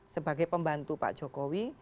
sebagai pembantu pak jokowi